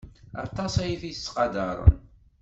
Aṭas ay t-yettqadaren.